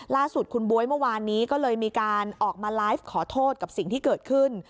ล่าสุดคุณบ๊วยเมื่อวานนี้ก็เลยมีการออกมาไลฟ์ขอโทษกับสิ่งที่เกิดขึ้น